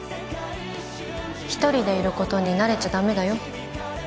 一人でいることに慣れちゃ駄目だよ